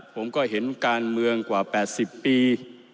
ผมก็เห็นการเมืองกว่า๘๐ปี